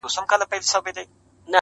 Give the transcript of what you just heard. تاوېده لكه زمرى وي چا ويشتلى!!